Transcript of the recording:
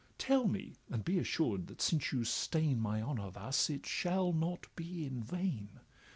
Tell me—and be assured, that since you stain My honour thus, it shall not be in vain.